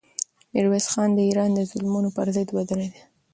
میرویس خان د ایران د ظلمونو پر ضد ودرېدی.